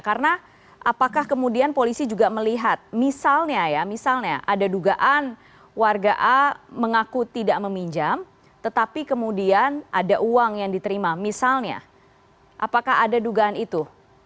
karena apakah kemudian polisi juga melihat misalnya ya misalnya ada dugaan warga a mengaku tidak meminjam tetapi kemudian ada uang yang diterima misalnya apakah ada dugaan itu